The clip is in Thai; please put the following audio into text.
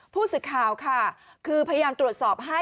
ผู้สื่อข่าวค่ะคือพยายามตรวจสอบให้